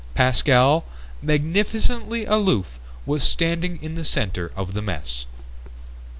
Pascal, magnificently aloof, was standing in the center of the mess.